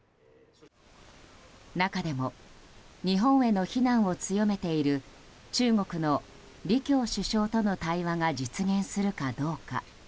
中でも、日本への非難を強めている、中国の李強首相との対話が実現するかどうか。